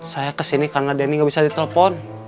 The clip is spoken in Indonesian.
saya kesini karena denny nggak bisa ditelepon